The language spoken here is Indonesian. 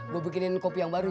gue bikinin kopi yang baru